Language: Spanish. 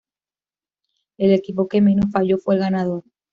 El equipo que menos falló fue el ganador.